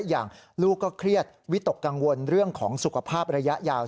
อย่างลูกก็เครียดวิตกกังวลเรื่องของสุขภาพระยะยาว